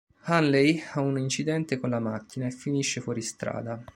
Henley ha un incidente con la macchina e finisce fuori strada.